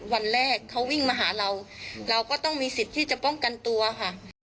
วันแรกเขาวิ่งมาหาเราเราก็ต้องมีสิทธิ์ที่จะป้องกันตัวค่ะ